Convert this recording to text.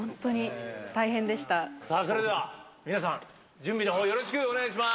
さあそれでは、皆さん、準備のほうよろしくお願いいたします。